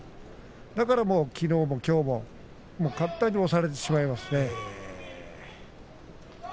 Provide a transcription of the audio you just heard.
だから、きのうもきょうも簡単に押されてしまいますね。